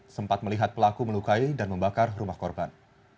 sempat melihat pelaku melukai dan membakar rumah korban